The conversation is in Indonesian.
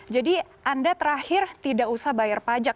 jadi anda terakhir tidak usah bayar pajak